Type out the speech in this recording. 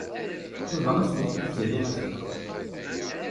Yuba ad as-t-yefk i Tiziri azekka.